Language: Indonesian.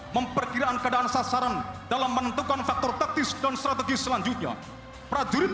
memperkirakan keadaan sasaran dalam menentukan faktor taktis dan strategis selanjutnya prajurit